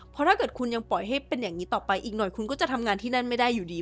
เพราะถ้าเกิดคุณยังปล่อยให้เป็นอย่างนี้ต่อไปอีกหน่อยคุณก็จะทำงานที่นั่นไม่ได้อยู่ดี